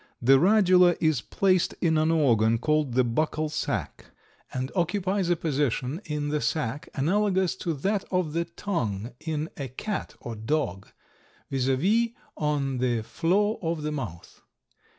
The radula is placed in an organ called the buccal sac and occupies a position in the sac analogous to that of the tongue in a cat or dog, viz., on the floor of the mouth.